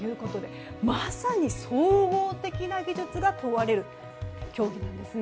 まさに、総合的な技術が問われる競技なんですね。